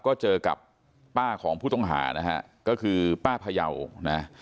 ก็เจอกับป้าของผู้ต้องหานะฮะก็คือป้าพยาวนะ